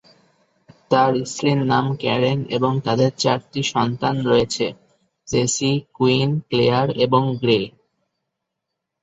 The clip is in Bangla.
তার স্ত্রীর নাম ক্যারেন, এবং তাদের চারটি সন্তান রয়েছে: জেসি, কুইন, ক্লেয়ার এবং গ্রে।